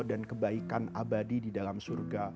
dan kebaikan abadi di dalam surga